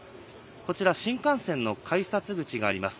こちら、新幹線の改札口があります。